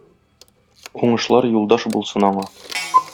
Уңышлар юлдаш булсын аңа!